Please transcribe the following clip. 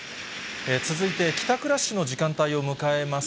続いて、帰宅ラッシュの時間帯を迎えます